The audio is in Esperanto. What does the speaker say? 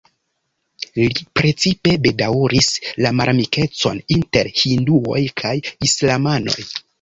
Li precipe bedaŭris la malamikecon inter hinduoj kaj islamanoj.